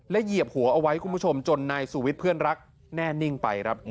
เหยียบหัวเอาไว้คุณผู้ชมจนนายสุวิทย์เพื่อนรักแน่นิ่งไปครับ